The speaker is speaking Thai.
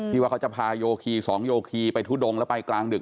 ว่าเขาจะพาโยคีสองโยคีไปทุดงแล้วไปกลางดึก